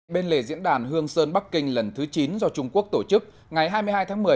bên lề diễn đàn hương sơn bắc kinh lần thứ chín do trung quốc tổ chức ngày hai mươi hai tháng một mươi